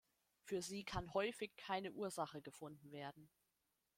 Für sie kann häufig keine Ursache gefunden werden.